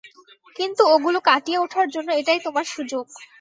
কিন্তু ওগুলো কাটিয়ে ওঠার জন্য এটাই তোমার সুযোগ।